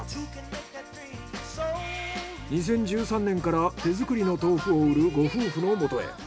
２０１３年から手作りの豆腐を売るご夫婦のもとへ。